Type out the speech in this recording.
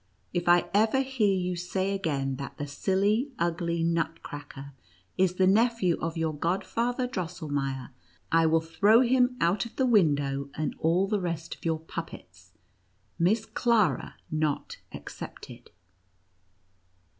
If I NUTCRACKER AND MOUSE KING. 133 ever hear you say again, that the silly, ugly Nutcracker is the nephew of your Godfather Drosselmeier, I will throw him out of the win clow, and all the rest of your puppets, Miss Clara not excepted."